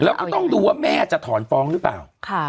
แล้วก็ต้องดูว่าแม่จะถอนฟ้องหรือเปล่า